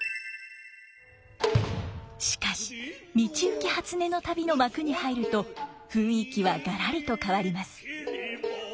しかし「道行初音旅」の幕に入ると雰囲気はガラリと変わります。